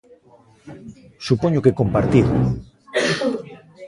Supoño que compartido.